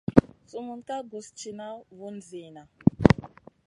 Sumun ka guss tìna vun zina.